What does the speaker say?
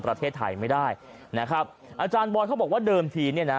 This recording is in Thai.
ประเทศไทยไม่ได้นะครับอาจารย์บอยเขาบอกว่าเดิมทีเนี่ยนะ